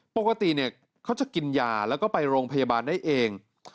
ปกติเนี่ยเขาจะกินยาแล้วก็ไปโรงพยาบาลได้เอง